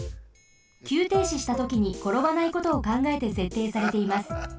きゅうていししたときにころばないことをかんがえてせっていされています。